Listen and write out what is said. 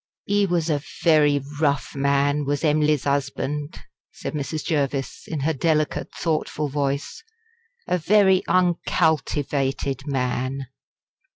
"He was a very rough man was Em'ly's husband," said Mrs. Jervis, in her delicate thoughtful voice "a very uncultivated man."